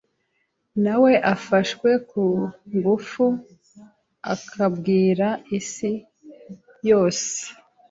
nawe wafashwe ku ngufu akabwira Isi yose